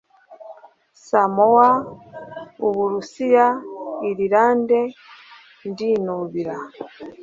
Samoa, Uburusiya, Irilande Ndinubira,